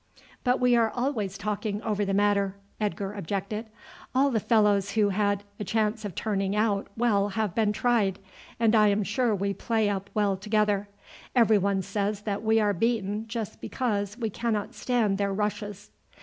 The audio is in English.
"But we are always talking over the matter," Edgar objected. "All the fellows who had a chance of turning out well have been tried, and I am sure we play up well together. Every one says that we are beaten just because we cannot stand their rushes."